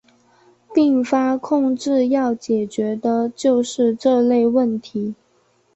并发控制要解决的就是这类问题。